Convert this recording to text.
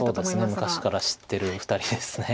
昔から知ってるお二人です。